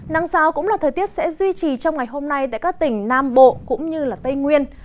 nắng rào cũng là thời tiết sẽ duy trì trong ngày hôm nay tại các tỉnh nam bộ cũng như tây nguyên